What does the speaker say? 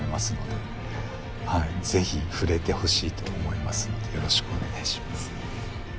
ぜひ触れてほしいと思いますのでよろしくお願いします。